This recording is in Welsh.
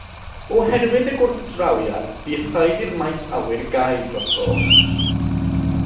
Oherwydd y gwrthdrawiad bu rhaid i'r maes awyr gau dros dro.